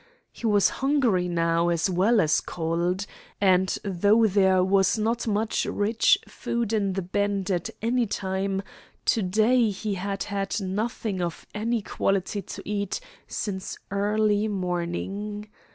He was hungry now, as well as cold, and though there was not much rich food in the Bend at any time, to day he had had nothing of any quality to eat since early morning.